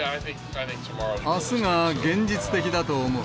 あすが現実的だと思う。